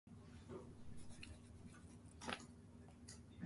Squeeze has since included the song in their concert setlists and compilation albums.